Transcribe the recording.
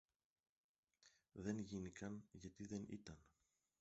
Δε γίνηκαν, γιατί δεν ήταν.